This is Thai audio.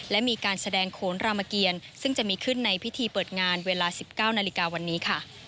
และมีการแสดงโขนรามเกียรซึ่งจะมีขึ้นในพิธีเปิดงานเวลา๑๙นาฬิกาวันนี้ค่ะ